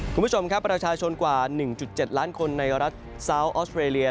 คุณผู้ชมครับประชาชนกว่า๑๗ล้านคนในรัฐซาวออสเตรเลีย